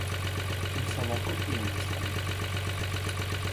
Il s’en vend copies en Australie.